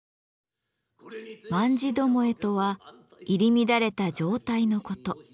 「卍巴」とは入り乱れた状態のこと。